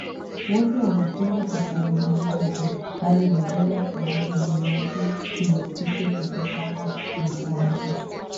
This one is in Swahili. wote wanakwenda kwa sababu hizo zote bali lazima sababu mojawapo ihusikeKutokana na sababu